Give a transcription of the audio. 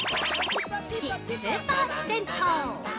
付きスーパー銭湯。